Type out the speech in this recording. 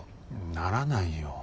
ならないよ。